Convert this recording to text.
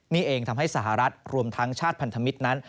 นี่เองทำให้สหรัฐรวมทั้งชาติพันธมิตรนั้น